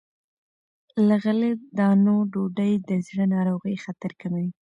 له غلې- دانو ډوډۍ د زړه ناروغۍ خطر کموي.